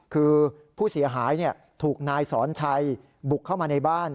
คือผู้เสียหายถูกนายสอนชัยบุกเข้ามาในบ้าน